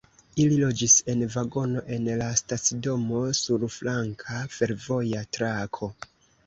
Ili loĝis en vagono en la stacidomo sur flanka fervoja trako.